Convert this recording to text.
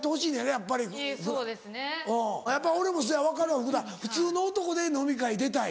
やっぱり俺もせや分かるわ普段普通の男で飲み会出たい。